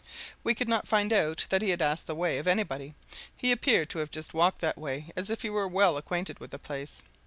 We could not find out that he had asked the way of anybody he appeared to have just walked that way as if he were well acquainted with the place.